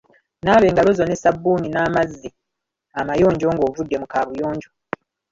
Naaba engalo zo ne ssabbuuni n'amazzi amayonjo nga ovudde mu kaabuyonjo.